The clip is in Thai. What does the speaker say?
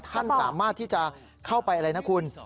ท่านสามารถที่จะเข้าไปอะไรนะคุณ